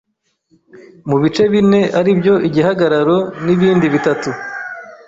mu bice bine aribyo igihagararo nibindi bitatu